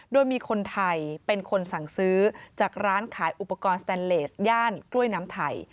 โดยมีคนไทยเป็นคนสั่งซื้อจากร้านขายอุปกรณ์สแตนเลสย่านกล้วยน้ำไทย